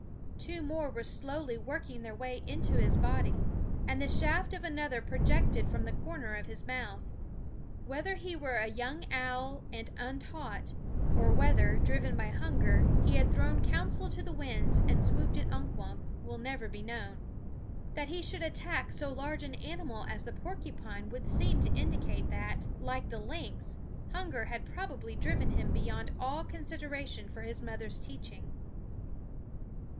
Two more were slowly working their way into his body; and the shaft of another projected from the corner of his mouth. Whether he were a young owl and untaught, or whether, driven by hunger, he had thrown counsel to the winds and swooped at Unk Wunk, will never be known. That he should attack so large an animal as the porcupine would seem to indicate that, like the lynx, hunger had probably driven him beyond all consideration for his mother's teaching.